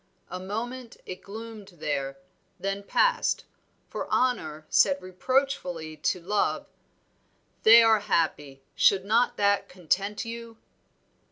A moment it gloomed there, then passed, for Honor said reproachfully to Love "They are happy, should not that content you?"